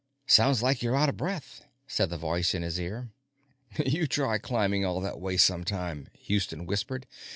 "Sounds like you're out of breath," said the voice in his ear. "You try climbing all that way sometime," Houston whispered.